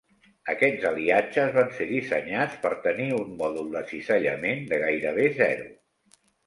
Aquests aliatges van ser dissenyats per tenir un mòdul de cisallament de gairebé zero.